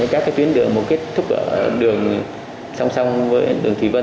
các cái tuyến đường mà kết thúc ở đường song song với đường thủy vân